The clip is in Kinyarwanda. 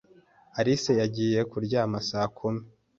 Alice yagiye kuryama saa kumi.